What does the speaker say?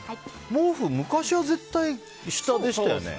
毛布、昔は絶対下でしたよね。